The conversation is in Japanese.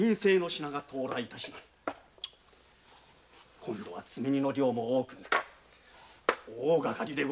今度は積み荷の量も多く大がかりでございますぞ。